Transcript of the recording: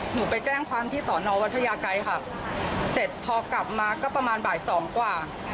หนูไปแจ้งความที่สอนอวัดพระยาไกรค่ะเสร็จพอกลับมาก็ประมาณบ่ายสองกว่า